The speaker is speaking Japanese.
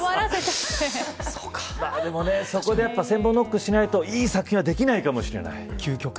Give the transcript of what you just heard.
でも、そこで千本ノックしないといい作品はできないかもしれない。